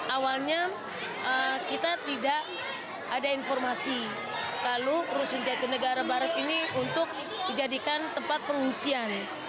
awalnya kita tidak ada informasi kalau rusun nyatina garam martini untuk dijadikan tempat pengungsian